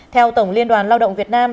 theo tổng liên đoàn lao động việt nam